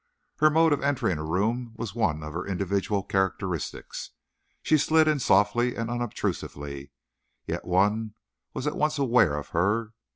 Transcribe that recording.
Her mode of entering a room was one of her individual characteristics. She slid in softly and unobtrusively, yet one was at once aware of her.